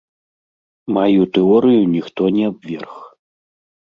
Маю тэорыю ніхто не абверг.